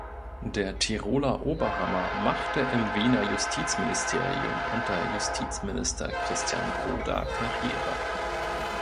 Der Tiroler Oberhammer machte im Wiener Justizministerium unter Justizminister Christian Broda Karriere.